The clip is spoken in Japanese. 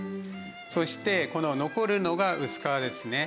そしてこの残るのが薄皮ですね。